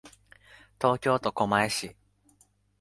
東京都狛江市